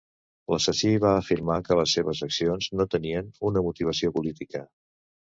L'assassí va afirmar que les seves accions no tenien "una motivació política".